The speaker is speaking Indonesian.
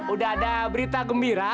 uda ada berita gembira